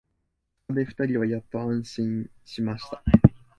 そこで二人はやっと安心しました